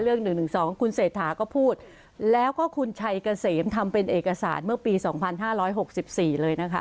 เรื่อง๑๑๒คุณเศษฐาก็พูดแล้วก็คุณชัยกระเสมทำเป็นเอกสารเมื่อปีสองพันห้าร้อยหกสิบสี่เลยนะคะ